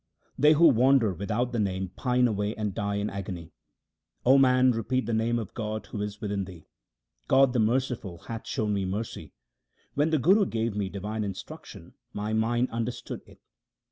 They who wander without the Name pine away and die in agony. 0 man, repeat the name of God who is within thee. God the merciful hath shown me mercy ; when the Guru gave me divine instruction my mind understood it.